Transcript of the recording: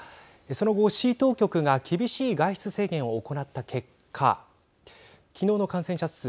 その後、市当局が厳しい外出制限を行った結果きのうの感染者数